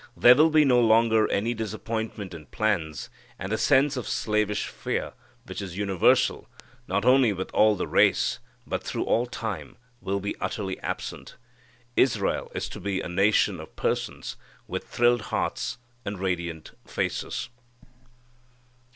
There will be no longer any disappointment in plans, and the sense of slavish fear, which is universal, not only with all the race, but through all time, will be utterly absent. Israel is to be a nation of persons with thrilled hearts and radiant faces.